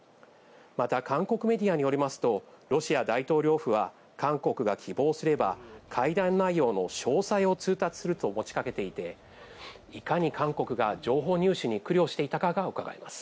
また、韓国メディアによりますと、ロシア大統領府は、韓国が希望すれば会談内容の詳細を通達すると持ちかけていて、いかに韓国が情報入手に苦慮していたかがうかがえます。